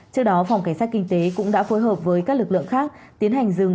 trước đó phòng cảnh sát kinh tế cũng đã phối hợp với các lực lượng khác tiến hành dừng